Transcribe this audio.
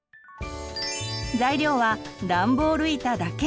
材料はダンボール板だけ！